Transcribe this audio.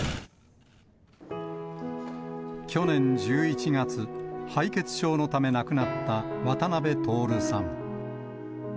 去年１１月、敗血症のため亡くなった渡辺徹さん。